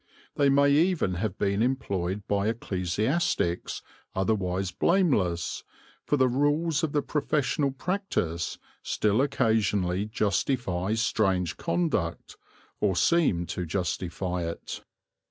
They may even have been employed by ecclesiastics otherwise blameless, for the rules of professional practice still occasionally justify strange conduct, or seem to justify it.